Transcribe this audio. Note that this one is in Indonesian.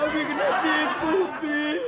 ambi kena tipu bi